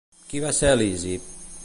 Qui va ser Lísip?